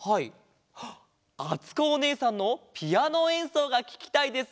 「あつこおねえさんのピアノえんそうがききたいです」